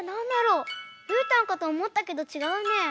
うーたんかとおもったけどちがうね。